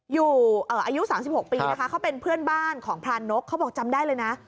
อายุ๓๖ปีนะคะเขาเป็นเพื่อนบ้านของพรานกเขาบอกจำได้เลยนะ